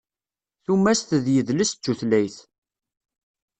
Tumast d yidles d tutlayt.